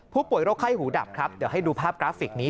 ผู้ป่วยโรคไข้หูดับครับเดี๋ยวให้ดูภาพกราฟิกนี้